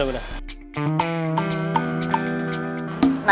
dan mendapatkan siapa pertama